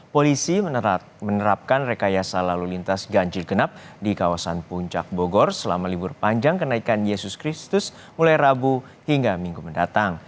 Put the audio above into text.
polisi menerapkan rekayasa lalu lintas ganjil genap di kawasan puncak bogor selama libur panjang kenaikan yesus kristus mulai rabu hingga minggu mendatang